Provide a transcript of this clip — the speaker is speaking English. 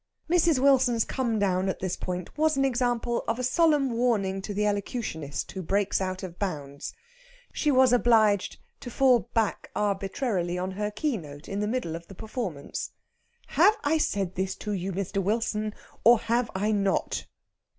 Mrs. Wilson's come down at this point was an example of a solemn warning to the elocutionist who breaks out of bounds. She was obliged to fall back arbitrarily on her key note in the middle of the performance. "Have I said this to you, Mr. Wilson, or have I not?"